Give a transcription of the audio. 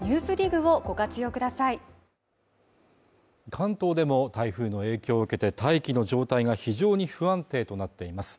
関東でも台風の影響を受けて大気の状態が非常に不安定となっています